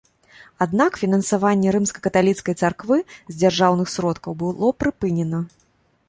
Аднак фінансаванне рымска-каталіцкай царквы з дзяржаўных сродкаў было прыпынена.